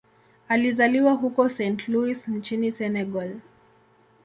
Alizaliwa huko Saint-Louis nchini Senegal.